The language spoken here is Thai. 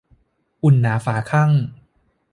อุ่นหนาฝาคั่ง